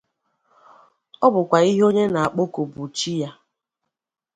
Ọ bụkwa ihe onye na-akpọku bụ chi ya.